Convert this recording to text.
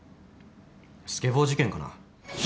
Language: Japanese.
スケボー事件かな。